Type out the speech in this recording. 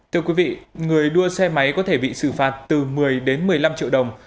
thưa quý vị người đua xe máy có thể bị xử phạt từ một mươi đến một mươi năm triệu đồng